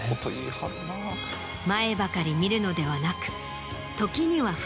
前ばかり見るのではなく。